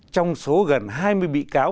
trong số gần hai mươi bị cáo